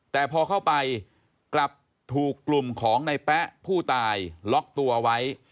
แต่พอเข้าไปกลับถูกกลุ่มของในแป๊ะผู้ตายล็อกตัวไว้